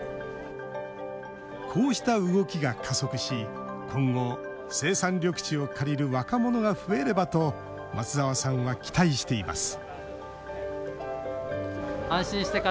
こうした動きが加速し今後、生産緑地を借りる若者が増えればと松澤さんは期待しています